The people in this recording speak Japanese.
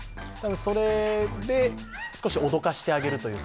それで少し脅かしてあげるというか